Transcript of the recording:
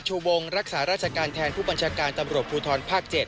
ชูวงรักษาราชการแทนผู้บัญชาการตำรวจภูทรภาค๗